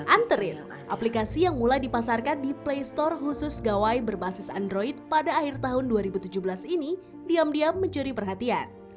anteril aplikasi yang mulai dipasarkan di play store khusus gawai berbasis android pada akhir tahun dua ribu tujuh belas ini diam diam mencuri perhatian